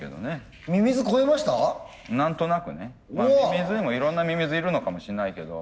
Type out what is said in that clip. ミミズにもいろんなミミズいるのかもしれないけど。